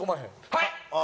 はい！